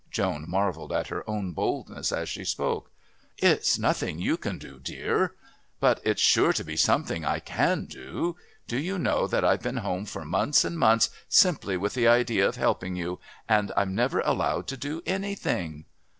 Joan marvelled at her own boldness as she spoke. "It's nothing you can do, dear." "But it's sure to be something I can do. Do you know that I've been home for months and months simply with the idea of helping you, and I'm never allowed to do anything?"